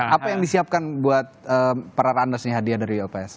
apa yang disiapkan buat para runners ini hadiah dari yopes